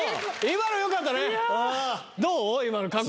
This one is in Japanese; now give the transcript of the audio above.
今のよかったね。